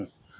để tự phát